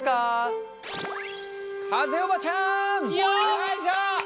よいしょ！